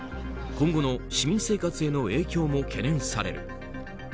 今後の市民生活への影響も懸念される。